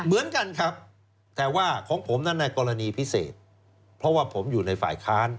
เหมือนกันครับแต่ว่าของผมนั้นในกรณีพิเศษเพราะว่าผมอยู่ในฝ่ายค้าน